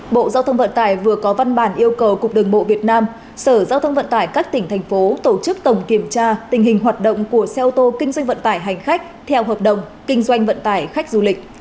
bộ giao thông vận tải vừa có văn bản yêu cầu cục đường bộ việt nam sở giao thông vận tải các tỉnh thành phố tổ chức tổng kiểm tra tình hình hoạt động của xe ô tô kinh doanh vận tải hành khách theo hợp đồng kinh doanh vận tải khách du lịch